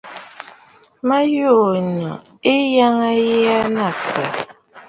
Ma yû a yə nɨ̂ yiʼi aa nɨ̂ àkə̀?